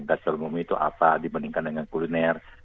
gastronomi itu apa dibandingkan dengan kuliner